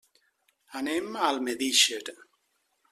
Anem a Almedíxer.